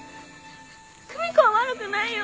久美子は悪くないよ